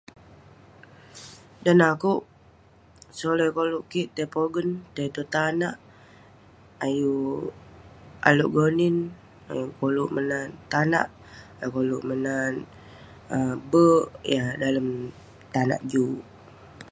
Dan neh akouk, solai koluk kik tai pogen, tai tong tanak. Ayuk ale' gonin, ayuk koluk menat tanak, ayuk koluk menat um be'ek, yah dalem tanak juk.